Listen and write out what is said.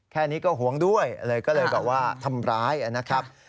แค่นี้ก็หวงด้วยเลยก็เลยแบบว่าทำร้ายนะครับ